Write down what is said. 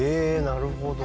なるほど。